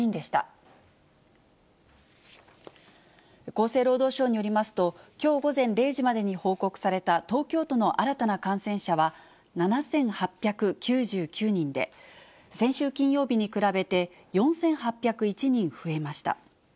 厚生労働省によりますと、きょう午前０時までに報告された東京都の新たな感染者は、７８９９人で、先週金曜日に比べて、４８０１人増えました。